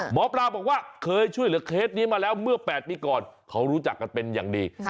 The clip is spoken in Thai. หมอปลาบอกว่าเคยช่วยเหลือเคสนี้มาแล้วเมื่อ๘ปีก่อนเขารู้จักกันเป็นอย่างดี